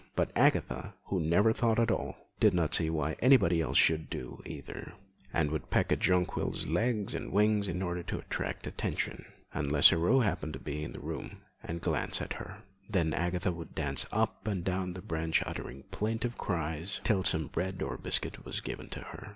But Agatha, who never thought at all, did not see why anybody else should do so either, and would peck at Jonquil's legs and wings in order to attract attention, unless Aurore happened to be in the room and glance at her. Then Agatha would dance up and down the branch uttering plaintive cries, till some bread or biscuit was given to her.